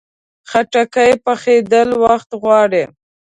خټکی پخېدل وخت غواړي.